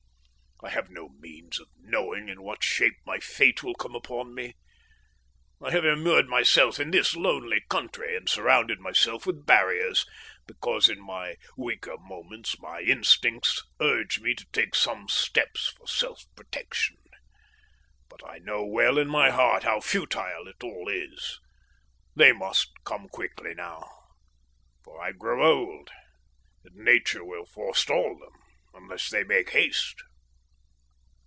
"I have no means of knowing in what shape my fate will come upon me. I have immured myself in this lonely country, and surrounded myself with barriers, because in my weaker moments my instincts urge me to take some steps for self protection, but I know well in my heart how futile it all is. They must come quickly now, for I grow old, and Nature will forestall them unless they make haste.